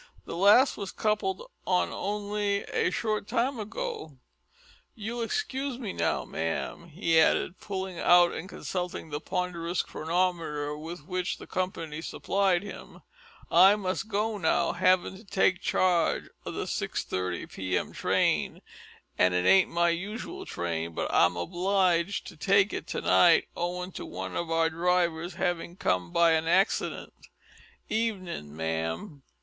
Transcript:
The last was coupled on only a short time ago. You'll excuse me now, ma'am," he added, pulling out and consulting the ponderous chronometer with which the company supplied him, "I must go now, havin' to take charge o' the 6:30 p.m. train, it ain't my usual train, but I'm obleeged to take it to night owin' to one of our drivers havin' come by an accident. Evenin', ma'am."